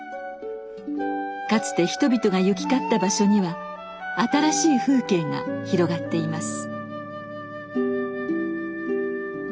かつて人々が行き交った場所には新しい風景が広がっています。